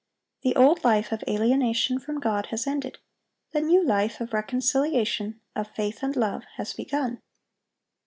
The old life of alienation from God has ended; the new life of reconciliation, of faith and love, has begun.